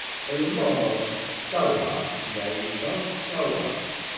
Lmeɣreb tessawaḍ, lɛica tessawaḍ.